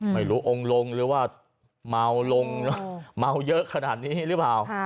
องค์ลงหรือว่าเมาลงเมาเยอะขนาดนี้หรือเปล่า